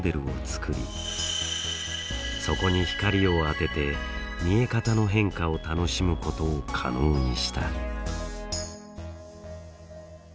そこに光を当てて見え方の変化を楽しむことを可能にした。